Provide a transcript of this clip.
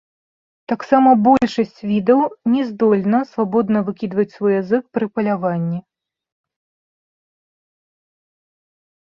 Таксама большасць відаў не здольна свабодна выкідваць свой язык пры паляванні.